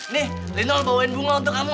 nih linol bawain bunga untuk kamu